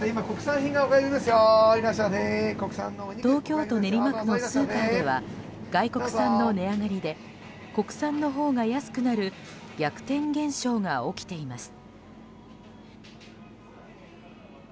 東京都練馬区のスーパーでは外国産の値上がりで国産のほうが安くなる逆転現象が起きています。